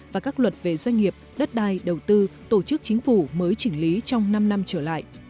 và các luật về doanh nghiệp đất đai đầu tư tổ chức chính phủ mới chỉnh lý trong năm năm trở lại